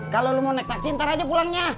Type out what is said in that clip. kalau lo mau naik taksi ntar aja pulangnya